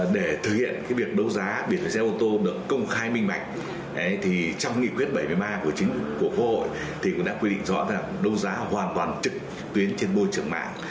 để thực hiện cái việc đấu giá biển ô tô được công khai minh mạnh thì trong nghị quyết bảy mươi ba của chính phủ của hội thì cũng đã quy định rõ là đấu giá hoàn toàn trực tuyến trên bôi trường mạng